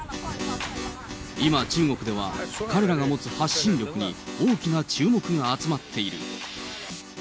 今、中国では彼らが持つ発信力に大きな注目が集まっている。